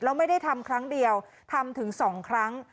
แล้วไม่ได้ทำครั้งเดียวทำถึง๒ครั้ง